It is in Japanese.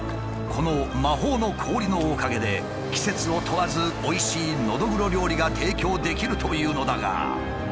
この魔法の氷のおかげで季節を問わずおいしいノドグロ料理が提供できるというのだが。